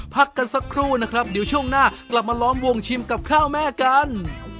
พักกันสักครู่นะครับเดี๋ยวช่วงหน้ากลับมาล้อมวงชิมกับข้าวแม่กัน